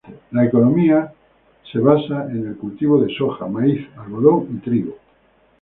La economía de basa en el cultivo de soja, maiz, algodón y trigo.